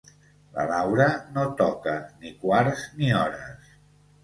La Laura no toca ni quarts ni hores.